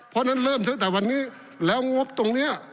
เพราะฉะนั้นเริ่มตั้งแต่วันนี้แล้วงบตรงนี้